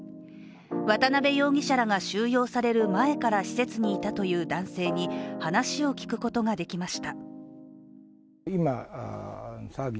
渡辺容疑者らが収容される前から施設にいたという男性に話を聞くことが出来ました。